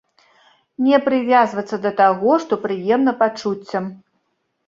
Не прывязвацца да таго, што прыемна пачуццям.